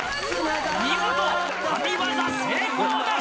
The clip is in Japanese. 見事、神業成功です！